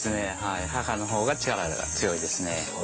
母の方が力が強いですね。